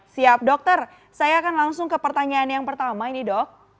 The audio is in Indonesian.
siap dokter saya akan langsung ke pertanyaan yang pertama ini dok